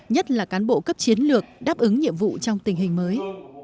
nhất là cán bộ cấp chiến lược đáp ứng nhiệm vụ trong tình hình mới